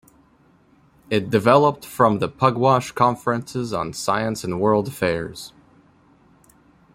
It developed from the Pugwash Conferences on Science and World Affairs.